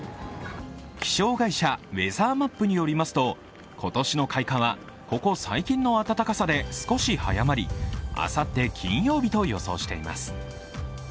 気象会社、ウェザーマップによりますと、今年の開花は、ここ最近の暖かさで少し早まり、あさって金曜日と予想しています。